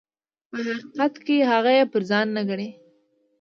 په حقیقت کې هغه یې پر ځان نه ګڼي.